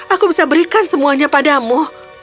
aku bisa berikan semuanya padamu